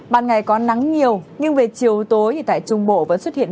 ban ngày có nắng nhiều nhưng về chiều tối thì tại trung bộ vẫn xuất hiện